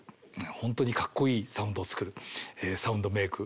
本当にかっこいいサウンドを作るサウンドメーク